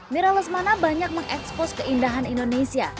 mira lesmana banyak mengekspos keindahan indonesia